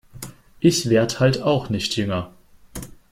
Ich werd halt auch nicht jünger.